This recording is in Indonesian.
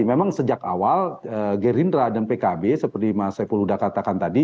memang sejak awal gerindra dan pkb seperti mas saipul huda katakan tadi